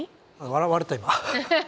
笑われた今。